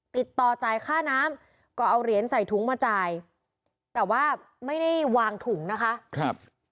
ติดต่อจ่ายค่าน้ำก็เอาเหรียญใส่ถุงมาจ่ายแต่ว่าไม่ได้วางถุงนะคะครับ